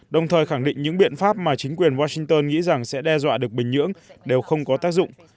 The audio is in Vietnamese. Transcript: đồng thời khẳng định những biện pháp mà chính quyền washington nghĩ rằng sẽ đe dọa được bình nhưỡng đều không có tác dụng